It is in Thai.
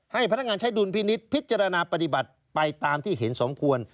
ให้พนักงานใช้ดุลพินิษฐ์พิจารณาปฏิบัติไปตามที่เห็นสมควร